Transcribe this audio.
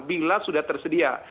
bila sudah tersedia